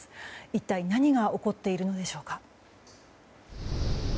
一体何が起こっているのでしょうか。